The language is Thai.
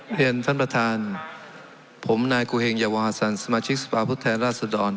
เรียนท่านประธานผมนายกูเฮงยาวสันสมาชิกสภาพุทธแทนราชดร